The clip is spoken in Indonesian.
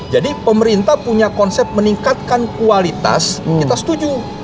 jadi pemerintah punya konsep meningkatkan kualitas kita setuju